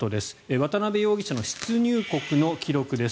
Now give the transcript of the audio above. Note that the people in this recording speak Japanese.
渡邉容疑者の出入国の記録です。